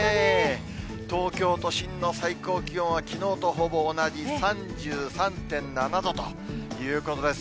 東京都心の最高気温はきのうとほぼ同じ、３３．７度ということです。